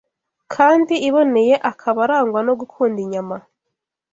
kandi iboneye, akaba arangwa no gukunda inyama